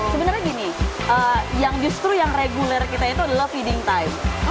sebenarnya gini yang justru yang reguler kita itu adalah feeding time